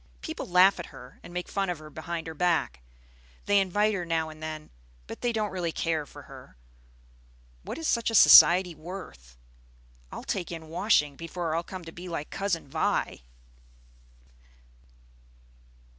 People laugh at her and make fun of her behind her back. They invite her now and then, but they don't really care for her. What is such a society worth? I'll take in washing before I'll come to be like Cousin Vi!"